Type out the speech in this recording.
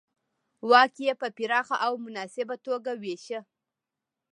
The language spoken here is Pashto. واک یې په پراخه او مناسبه توګه وېشه